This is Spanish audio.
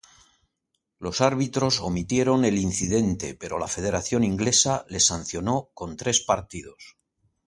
Los árbitros omitieron el incidente pero la Federación Inglesa le sancionó con tres partidos.